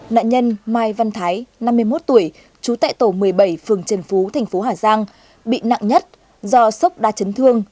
nạn nhân mai văn thái năm mươi một tuổi trú tại tổ một mươi bảy phường trần phú thành phố hà giang bị nặng nhất do sốc đa chấn thương